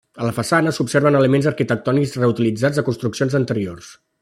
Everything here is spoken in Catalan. A la façana s'observen elements arquitectònics reutilitzats de construccions anteriors.